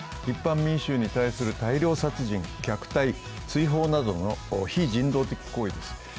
一般民衆に対する大量殺人、虐待、追放などの非人道的行為です。